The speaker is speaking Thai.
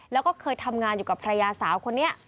แล้วก็เคยทำงานอยู่กับภรรยาสาวคนนี้